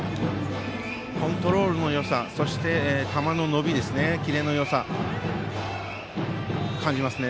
コントロールのよさ球の伸びキレのよさ、感じますね。